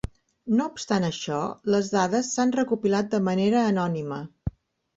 No obstant això, les dades s'han recopilat de manera anònima.